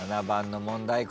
７番の問題